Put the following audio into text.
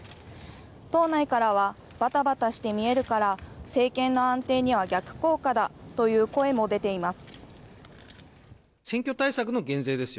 党内からはバタバタして見えるから政権の安定には逆効果だという声も出ています。